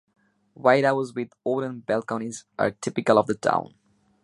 White houses with wooden balconies are typical of the town.